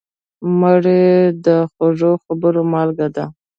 مړه د خوږو خبرو مالګه وه